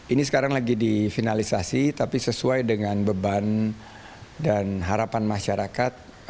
ini sekarang lagi difinalisasi tapi sesuai dengan beban dan harapan masyarakat